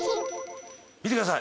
見てください。